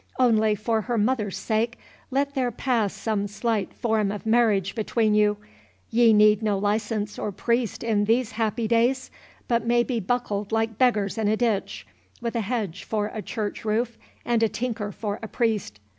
—Only, for her mother's sake, let there pass some slight form of marriage between you—Ye need no license or priest in these happy days, but may be buckled like beggars in a ditch, with a hedge for a church roof, and a tinker for a priest.